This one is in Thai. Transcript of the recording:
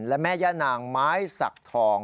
และแม่ย่านางไม้สักทอง